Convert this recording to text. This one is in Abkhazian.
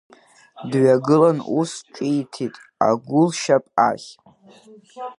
Дҩагылан ус ҿиҭит агәылшьап ахь…